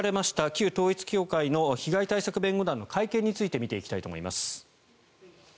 旧統一教会の被害対策弁護団の会見について見ていきたいと思います。